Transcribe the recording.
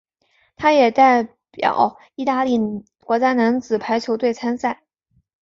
他也代表意大利国家男子排球队参赛。